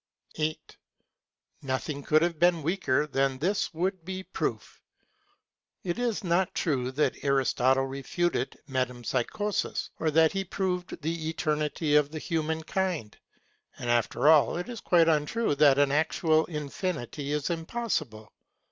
8. Nothing could have been weaker than this would be proof. It is not true that Aristotle refuted metempsychosis, or that he proved the eternity of the human kind; and after all, it is quite untrue that an actual infinity is impossible.